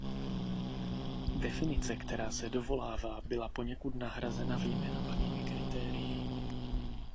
Definice, které se dovolává, byla poněkud nahrazena vyjmenovanými kritérii.